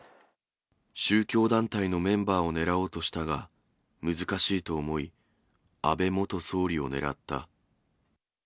宗教団体のメンバーを狙おうとしたが、難しいと思い、安倍元総理を狙った。